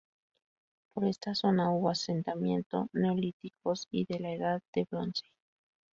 Por esta zona hubo asentamientos neolíticos y de la Edad del Bronce.